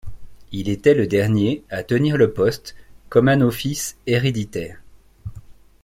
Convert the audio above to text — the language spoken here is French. Il était le dernier à tenir le poste comme un office héréditaire.